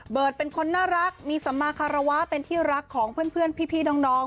เป็นคนน่ารักมีสมาคารวะเป็นที่รักของเพื่อนพี่น้อง